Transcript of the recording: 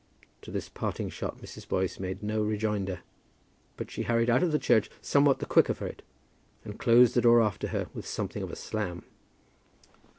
To this parting shot Mrs. Boyce made no rejoinder; but she hurried out of the church somewhat the quicker for it, and closed the door after her with something of a slam.